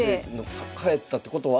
帰ったってことは？